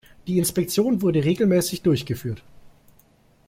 Die Inspektion wurde regelmäßig durchgeführt.